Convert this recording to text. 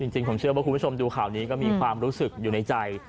จริงผมเชื่อว่าคุณผู้ชมดูข่าวนี้ก็มีความรู้สึกอยู่ในใจ